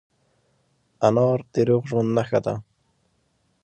انار د روغ ژوند نښه ده.